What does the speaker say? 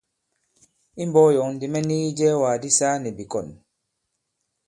I mbɔ̄k yɔ̌ŋ ndī mɛ nigi ijɛɛwàk di saa nì bìkɔ̀n.